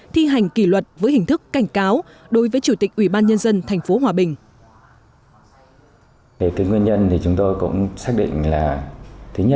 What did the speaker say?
thi hành kỷ luật với hình thức cảnh cáo đối với chủ tịch ủy ban nhân dân thành phố hòa bình